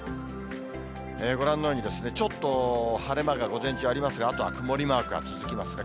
ご覧のように、ちょっと晴れ間が午前中ありますが、あとは曇りマークが続きますね。